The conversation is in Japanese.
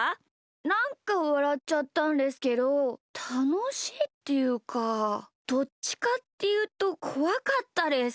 なんかわらっちゃったんですけどたのしいっていうかどっちかっていうとこわかったです。